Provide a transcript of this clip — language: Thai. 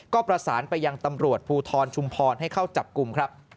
ก็ประสานไปยังตำรวจภูทรชุมพรให้เข้าจับกลุ่มครับ